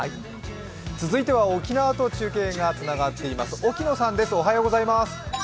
続いて沖縄と中継がつながっています。